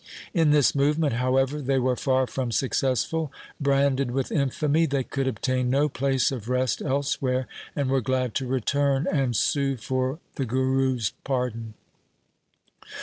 In this movement, however, they were far from successfuL Branded with infamy they could obtain no place of rest elsewhere, and were glad to return and sue for the Guru's pardon.